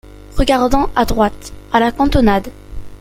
Regardant à droite ; à la cantonade.